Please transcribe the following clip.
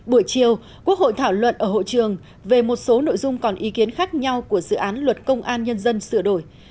buổi chiều quốc hội thảo luận ở hội trường về một số nội dung còn ý kiến khác nhau của dự án luật công an nhân dân sửa đổi